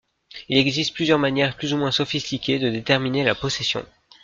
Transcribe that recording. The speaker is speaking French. Il existe plusieurs manières plus ou moins sophistiquées de déterminer la possession.